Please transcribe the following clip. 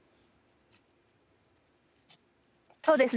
そうですね。